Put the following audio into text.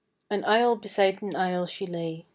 An isle beside an isle she lay.